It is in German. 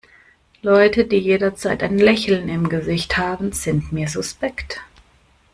Leute, die jederzeit ein Lächeln im Gesicht haben, sind mir suspekt.